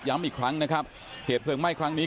อีกครั้งนะครับเหตุเพลิงไหม้ครั้งนี้